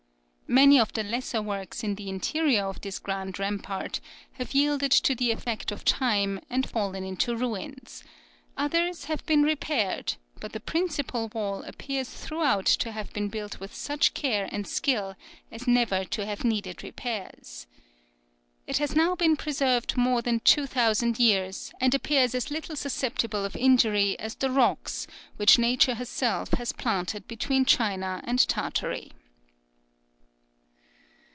"Many of the lesser works in the interior of this grand rampart have yielded to the effect of time, and fallen into ruins; others have been repaired; but the principal wall appears throughout to have been built with such care and skill as never to have needed repairs. It has now been preserved more than two thousand years, and appears as little susceptible of injury as the rocks which nature herself has planted between China and Tartary."